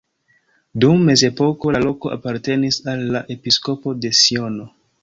Dum mezepoko la loko apartenis al la episkopo de Siono.